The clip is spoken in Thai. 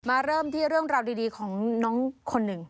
เริ่มที่เรื่องราวดีของน้องคนหนึ่ง